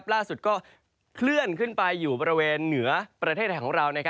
ล่าสุดก็เคลื่อนขึ้นไปอยู่บริเวณเหนือประเทศไทยของเรา